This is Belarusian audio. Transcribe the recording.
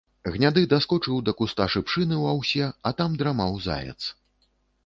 Гняды даскочыў да куста шыпшыны ў аўсе, а там драмаў заяц.